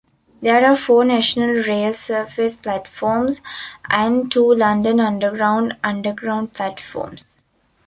There are four National Rail surface platforms and two London Underground underground platforms.